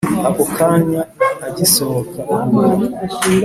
ako kanya agisohoka ahura